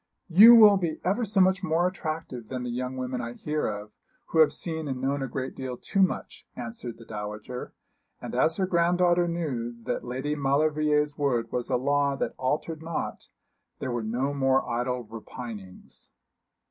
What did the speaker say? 'You will be ever so much more attractive than the young women I hear of, who have seen and known a great deal too much,' answered the dowager; and as her granddaughter knew that Lady Maulevrier's word was a law that altered not, there were no more idle repinings.